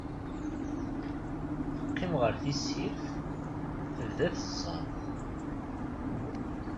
Teqqim ɣer tessirt, tebda tezzaḍ.